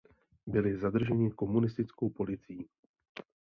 Byli zadrženi komunistickou policií.